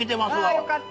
よかった。